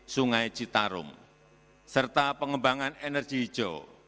sungai citarum serta pengembangan energi hijau